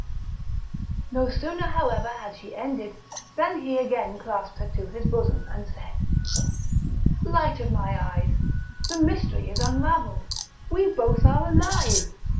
No sooner, however, had she ended, than he again clasped her to his bosom, and said: "Light of my eyes! the mystery is unravelled; we both are alive!